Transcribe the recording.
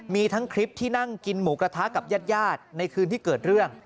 มีทั้งคลิปที่นั่งกินหมูกระทะกับญาติในคืนที่เกิดเรื่อง